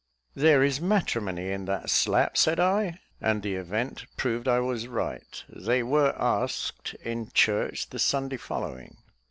"There is matrimony in that slap," said I; and the event proved I was right they were asked in church the Sunday following.